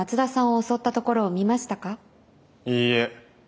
いいえ。